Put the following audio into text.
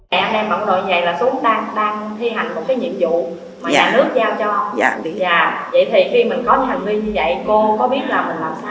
vậy thì khi mình có hành vi như vậy cô có biết là mình làm sai không